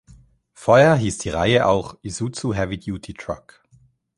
Vorher hieß die Reihe auch "Isuzu Heavy-Duty Truck".